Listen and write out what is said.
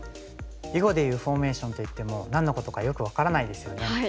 囲碁でいうフォーメーションといっても何のことかよく分からないですよね。